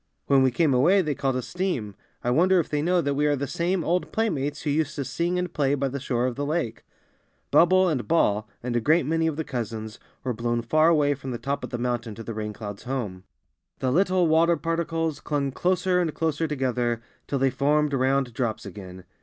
When we came away they called us steam. I won der if they know that we are the same old playmates who used to sing and play by the shore of the lake.^' Bubble and Ball and a great many of the cousins were blown far away from the top of the mountain to the rain cloud's home. The 24 FROST FAIRIES AND THE WATER DROPS. little water particles clung closer and closer together till they formed round drops again.